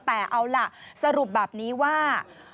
แต่เอาล่ะสรุปแบบนี้ว่า